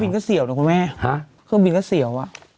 เครื่องบินก็เสี่ยว